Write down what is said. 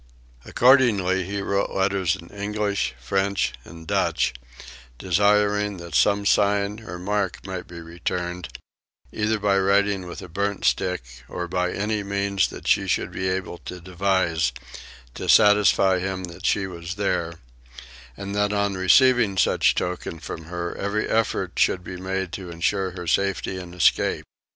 Accordingly he wrote letters in English, French, and Dutch desiring that some sign or mark might be returned, either by writing with a burnt stick or by any means she should be able to devise, to satisfy him that she was there; and that on receiving such token from her every effort should be made to ensure her safety and escape.